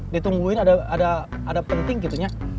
ditungguin ada penting gitu ya